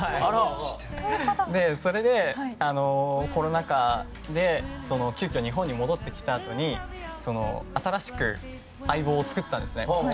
それで、コロナ禍で急きょ、日本に戻ってきたあとに新しく相棒を作ったんですね。